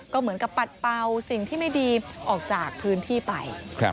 ก็เหมือนกับปัดเป่าสิ่งที่ไม่ดีออกจากพื้นที่ไป